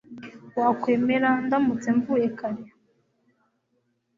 Wakwemera ndamutse mvuye kare?